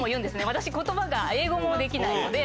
私言葉が英語もできないので。